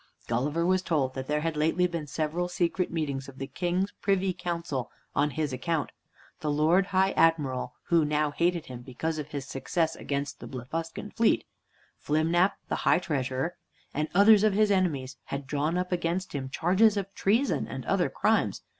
Gulliver was told that there had lately been several secret meetings of the King's Privy Council, on his account. The Lord High Admiral (who now hated him because of his success against the Blefuscan fleet), Flimnap, the High Treasurer, and others of his enemies, had drawn up against him charges of treason and other crimes.